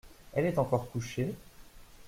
Elle est encore couchée ?…